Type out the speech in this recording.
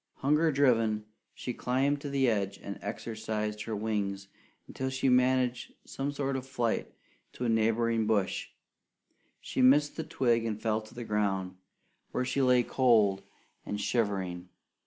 Hunger driven, she climbed to the edge and exercised her wings until she managed some sort of flight to a neighbouring bush. She missed the twig and fell to the ground, where she lay cold and shivering.